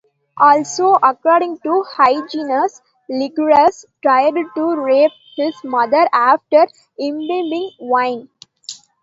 Also according to Hyginus, Lycurgus tried to rape his mother after imbibing wine.